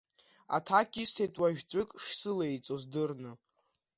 Аҭак исҭеит уажә ҵәык шсылеиҵоз дырны.